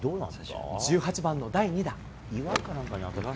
１８番の第２打。